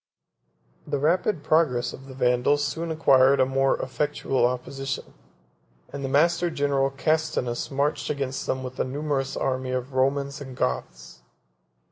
The rapid progress of the Vandals soon acquired a more effectual opposition; and the master general Castinus marched against them with a numerous army of Romans and Goths.